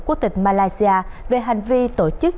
của tịch malaysia về hành vi tổ chức